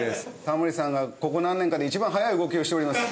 タモリさんがここ何年かで一番速い動きをしております。